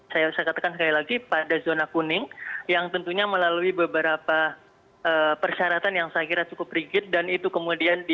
saya katakan sekali lagi pada zona kuning yang tentunya melalui beberapa persyaratan yang saya kira cukup rigid dan itu kemudian di